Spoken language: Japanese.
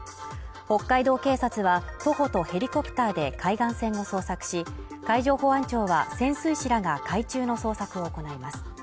北海道警察は徒歩とヘリコプターで海岸線を捜索し海上保安庁は潜水士らが海中の捜索を行います